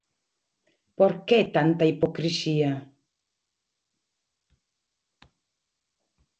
¿Por que tanta hipocrisía?